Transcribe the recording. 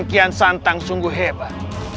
sekian santang sungguh hebat